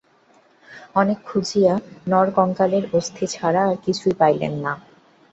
অনেক খুঁজিয়া নরকঙ্কালের অস্থি ছাড়া আর কিছুই পাইলেন না।